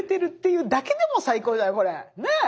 ねえ？